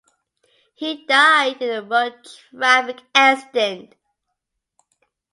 He died in a road traffic accident.